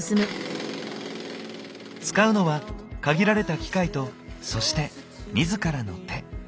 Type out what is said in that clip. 使うのは限られた機械とそして自らの手。